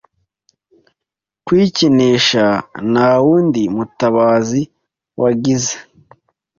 Kwikinisha nta wundi mutabazi wagize